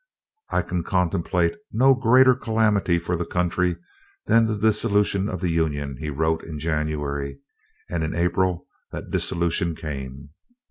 "I can contemplate no greater calamity for the country than a dissolution of the Union," he wrote in January. And in April that dissolution came.